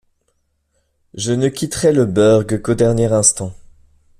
Je ne quitterai le burg qu’au dernier instant.